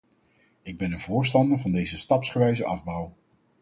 Ik ben een voorstander van deze stapsgewijze afbouw.